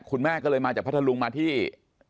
คุณแม่ก็เลยมาจากพัทธลุงมาที่